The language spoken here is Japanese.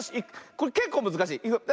これけっこうむずかしい。